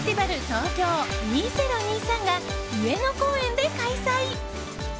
ＴＯＫＹＯ２０２３が上野公園で開催。